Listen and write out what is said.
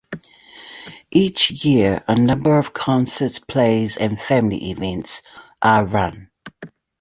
Each year a number of concerts, plays and family events are run.